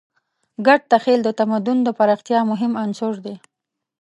ګډ تخیل د تمدن د پراختیا مهم عنصر دی.